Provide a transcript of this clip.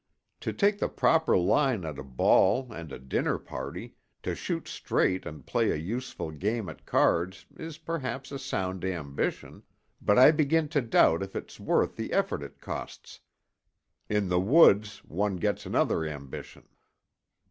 To take the proper line at a ball and a dinner party, to shoot straight and play a useful game at cards is perhaps a sound ambition, but I begin to doubt if it's worth the effort it costs. In the woods, one gets another ambition."